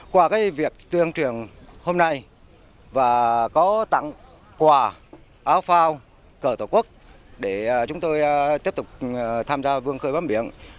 quả áo phao cờ tổ quốc để chúng tôi tiếp tục tham gia vươn khơi bám biển